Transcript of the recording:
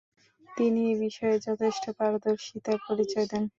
তিনি এ বিষয়ে যথেষ্ট পারদর্শীতার পরিচয় দেন।